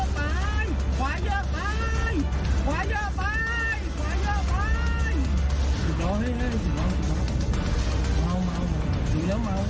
สิบร้อยสิบร้อยสิบร้อยมาวมาวมาวอีกแล้วมาวอีกแล้วก็มาว